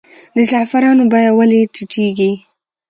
د زعفرانو بیه ولې ټیټیږي؟